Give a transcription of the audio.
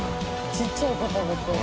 ちっちゃい子が食べてる。